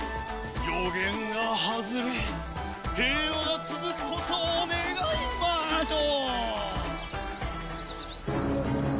予言が外れ平和が続くことを願いましょう！